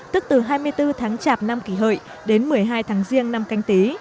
tức từ hai mươi bốn tháng chạp năm kỷ hợi đến một mươi hai tháng riêng năm canh tí